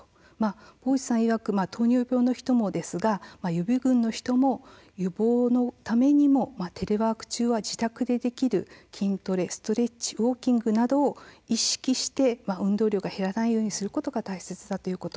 坊内さんいわく、糖尿病の人もですが予備群の人も予防のためにもテレワーク中は自宅でできる筋トレ、ストレッチウォーキングなど意識して運動量が減らないようにすることが大切だということ。